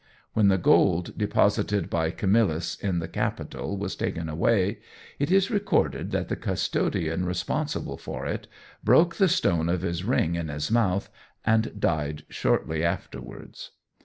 When the gold deposited by Camillus in the Capitol was taken away, it is recorded that the custodian responsible for it "broke the stone of his ring in his mouth," and died shortly afterwards.